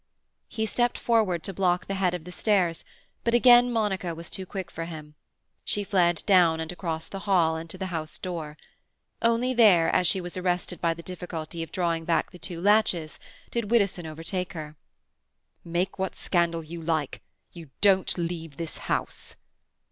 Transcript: He stepped forward to block the head of the stairs, but again Monica was too quick for him. She fled down, and across the hall, and to the house door. Only there, as she was arrested by the difficulty of drawing back the two latches, did Widdowson overtake her. "Make what scandal you like, you don't leave this house."